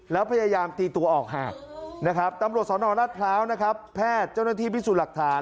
แล้วพยายามตีตัวออกห่างตำรวจสนรัฐพร้าวแพทย์เจ้าหน้าที่พิสูจน์หลักฐาน